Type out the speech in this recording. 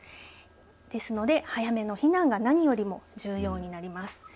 ですので早めの避難が何よりも重要になります。